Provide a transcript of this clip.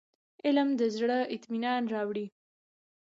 علم د زړه اطمينان راوړي.